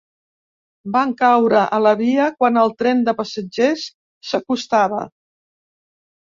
Van caure a la via quan el tren de passatgers s'acostava.